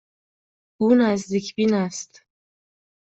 او نزدیک بین است.